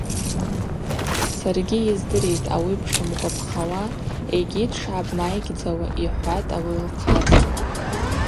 Саргьи йыздыритӏ ауи бшлымгвапхауа йгьи дшгӏабмайгьдзауа, – йхӏватӏ ауи лхъацӏа.